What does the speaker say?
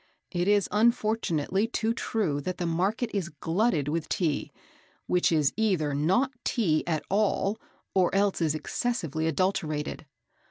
It is unfortunately too true that the market is glutted with Tea which is either not Tea at all, or else is excessively adulterated.